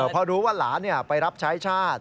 เพราะรู้ว่าหลานไปรับใช้ชาติ